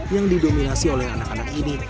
yang didominasi oleh anak anak ini